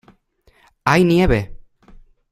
¡ hay nieve!